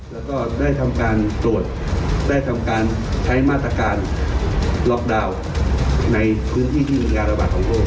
แล้วก็ได้ทำการตรวจได้ทำการใช้มาตรการล็อกดาวน์ในพื้นที่ที่มีการระบาดของโรค